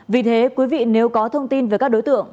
vì thế quý vị nếu có thông tin về các đối tượng